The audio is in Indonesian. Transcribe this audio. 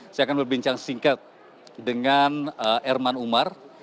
saya akan berbincang singkat dengan erman umar